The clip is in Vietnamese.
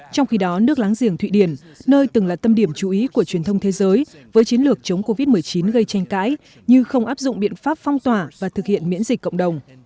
trong khi đó nước láng giềng thụy điển nơi từng là tâm điểm chú ý của truyền thông thế giới với chiến lược chống covid một mươi chín gây tranh cãi như không áp dụng biện pháp phong tỏa và thực hiện miễn dịch cộng đồng